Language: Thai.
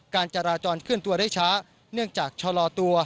การจาระจอนขึ้นตัวได้ช้าเนื่องจากชะลอตัว